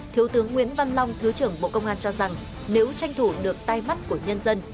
thiếu tướng nguyễn văn long thứ trưởng bộ công an cho rằng nếu tranh thủ được tay mắt của nhân dân